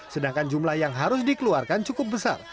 sedangkan jumlah yang harus dikeluarkan cukup besar